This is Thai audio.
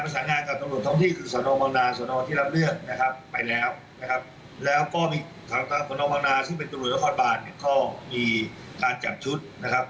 ซึ่งเป็นตำรวจน้องคอนบาลเนี่ยก็มีการจับชุดนะครับ